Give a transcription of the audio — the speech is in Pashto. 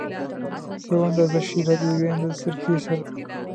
یو اندازه شېره د یوې اندازه سرکې سره.